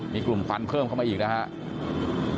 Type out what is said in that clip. มีกลุ่มฟันเพิ่มเข้ามาอีกนะฮะ